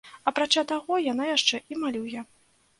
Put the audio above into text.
Апрача таго, яна яшчэ і малюе.